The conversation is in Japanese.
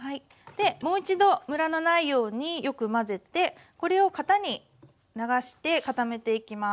もう一度ムラのないようによく混ぜてこれを型に流して固めていきます。